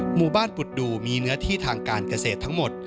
หมู่บ้านปุดดูมีเนื้อที่ทางการเกษตรทั้งหมด